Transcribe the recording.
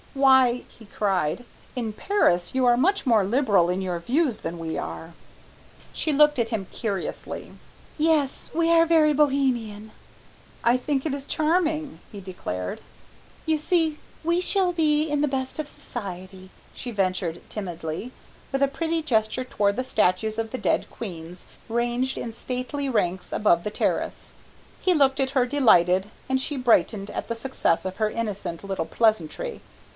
"Why," he cried, "in Paris you are much more liberal in your views than we are." She looked at him curiously. "Yes, we are very Bohemian." "I think it is charming," he declared. "You see, we shall be in the best of society," she ventured timidly, with a pretty gesture toward the statues of the dead queens, ranged in stately ranks above the terrace. He looked at her, delighted, and she brightened at the success of her innocent little pleasantry.